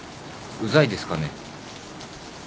うざいですかね？